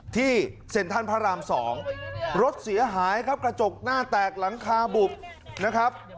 ที่เซ็นทรัลพระราม๒รถเสียหายครับกระจกหน้าแตกหลังคาบุบนะครับ